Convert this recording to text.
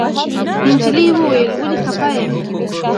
نجلۍ وويل ولې خپه يې.